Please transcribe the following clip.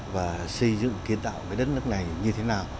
và xây dựng kiến tạo cái đất nước này như thế nào